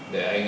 để anh xem